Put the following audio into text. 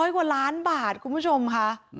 กว่าล้านบาทคุณผู้ชมค่ะ